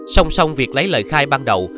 xong xong việc lấy lời khai ban đầu